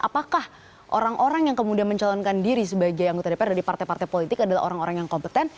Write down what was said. apakah orang orang yang kemudian mencalonkan diri sebagai anggota dpr dari partai partai politik adalah orang orang yang kompeten